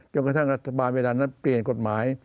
กระทั่งรัฐบาลเวลานั้นเปลี่ยนกฎหมาย